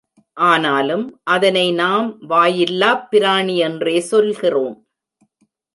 ஆனாலும், அதனை நாம் வாயில்லாப் பிராணி என்றே சொல்கிறோம்.